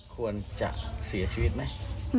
ควรจะเสียชีวิตไหม